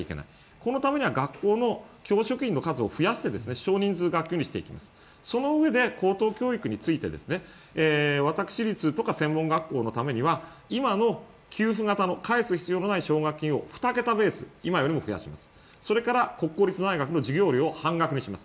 このためには学校の教職員の数を増やして少人数学級にしていくそのうえで、高等教育について、私立とか専門学校のためには、今の給付型の返す必要のない給付金を２桁に増やすそれから国公立大学の授業料を半額にします。